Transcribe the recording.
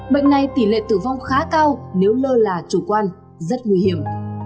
bệnh này tỷ lệ tử vong khá cao nếu lơ là chủ quan rất nguy hiểm